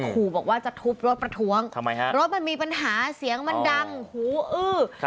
ขู่บอกว่าจะทุบรถประท้วงทำไมฮะรถมันมีปัญหาเสียงมันดังหูอื้อ